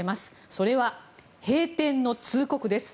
それは閉店の通告です。